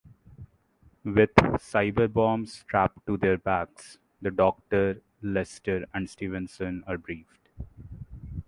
With Cyberbombs strapped to their backs, the Doctor, Lester and Stevenson are briefed.